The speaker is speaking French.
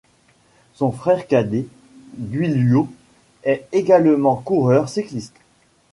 Son frère cadet Duilio est également coureur cycliste.